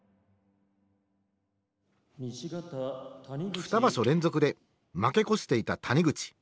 二場所連続で負け越していた谷口。